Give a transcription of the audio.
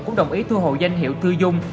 cũng đồng ý thu hồi danh hiệu thư dung